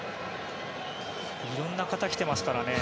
色んな方が来てますからね。